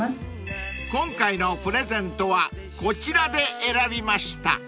［今回のプレゼントはこちらで選びました］